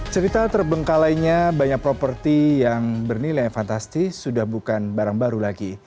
cerita terbengkalainya banyak properti yang bernilai fantastis sudah bukan barang baru lagi